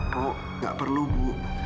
bu gak perlu bu